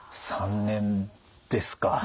３年ですか。